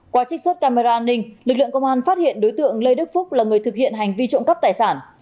qua trích xuất camera an ninh lực lượng công an phát hiện đối tượng lê đức phúc là người thực hiện hành vi trộm cắp tài sản